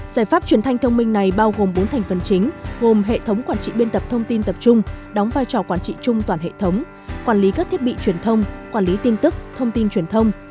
giải pháp truyền thanh thông minh này bao gồm bốn thành phần chính gồm hệ thống quản trị biên tập thông tin tập trung đóng vai trò quản trị chung toàn hệ thống quản lý các thiết bị truyền thông quản lý tin tức thông tin truyền thông